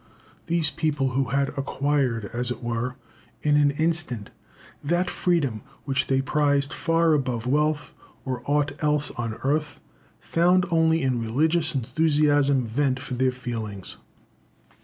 These people, who had acquired, as it were, in an instant that freedom which they prized far above wealth, or aught else on earth, found only in religious enthusiasm vent for their feelings.